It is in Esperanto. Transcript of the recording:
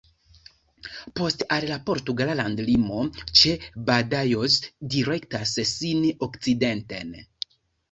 Poste al la portugala landlimo ĉe Badajoz direktas sin okcidenten.